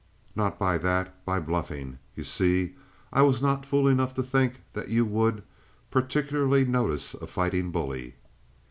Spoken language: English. "Not by that. By bluffing. You see, I was not fool enough to think that you would particularly notice a fighting bully."